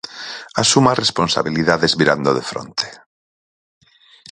Asuma responsabilidades mirando de fronte.